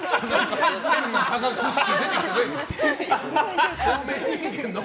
変な化学式出てきてないです。